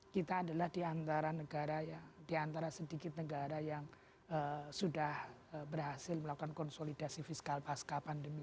kita adalah di antara negara ya di antara sedikit negara yang sudah berhasil melakukan konsolidasi fiskal pasca pandemi